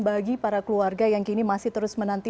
bagi para keluarga yang kini masih terus menanti